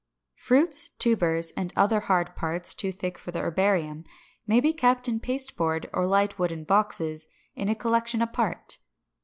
569. Fruits, tubers, and other hard parts, too thick for the herbarium, may be kept in pasteboard or light wooden boxes, in a collection apart.